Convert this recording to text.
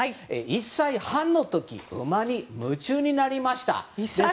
１歳半の時馬に夢中になりました。